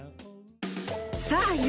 ［さあ